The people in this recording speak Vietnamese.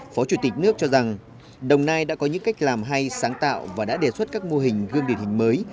phó chủ tịch nước cho rằng đồng nai đã có những cách làm hay sáng tạo và đã đề xuất các mô hình gương điển hình mới